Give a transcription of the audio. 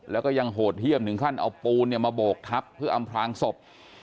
แล้วก็ยังโหดเยี่ยมถึงขั้นเอาปูนมาโบกทับเพื่ออำพลางศพ